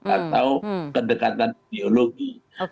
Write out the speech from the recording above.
atau kedekatan ideologi